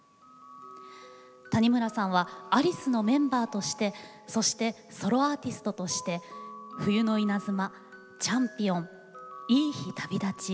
谷村さんはアリスのメンバーとしてそしてソロアーティストとして「冬の稲妻」「チャンピオン」「いい日旅立ち」